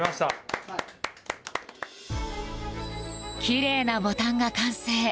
きれいなボタンが完成！